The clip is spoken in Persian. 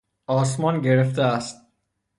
آسمان گرفته است.